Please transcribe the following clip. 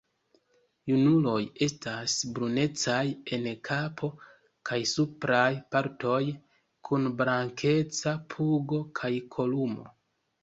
Junuloj estas brunecaj en kapo kaj supraj partoj, kun blankeca pugo kaj kolumo.